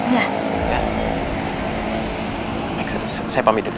ia maksud saya pamit dulu ya